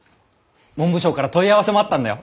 文部省から問い合わせもあったんだよ！